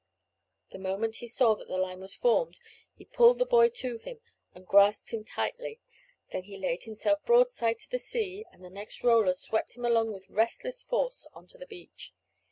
The moment he saw that the line was formed he pulled the boy to him and grasped him tightly; then he laid himself broadside to the sea, and the next roller swept him along with resistless force on to the beach.